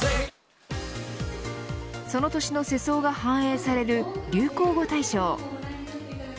その年の世相が反映される流行語大賞。